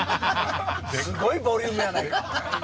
すごいボリュームやないか。